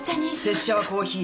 拙者はコーヒーで。